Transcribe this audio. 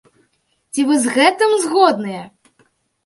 Ці вы з гэтым згодныя?